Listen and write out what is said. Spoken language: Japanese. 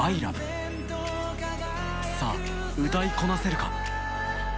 歌いこなせるか？